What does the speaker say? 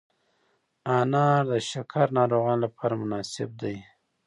انار د شکر ناروغانو لپاره مناسب دی.